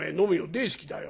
大好きだよ」。